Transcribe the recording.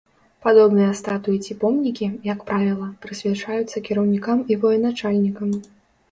Падобныя статуі ці помнікі, як правіла, прысвячаюцца кіраўнікам і военачальнікам.